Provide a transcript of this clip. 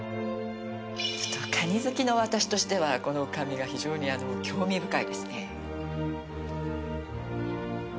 カニ好きの私としてはこのカニが非常に興味深いですね。